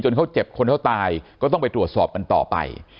เขาเจ็บคนเขาตายก็ต้องไปตรวจสอบกันต่อไป